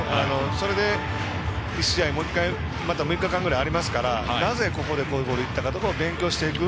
それで次の試合までまた６日間ぐらいありますからなぜ、ここでこういうボールいったか勉強していく。